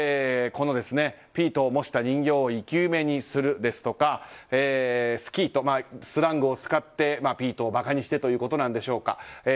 ピートを模した人形を生き埋めにするとかスキートというスラングを使ってピートを馬鹿にしてということなんでしょうか。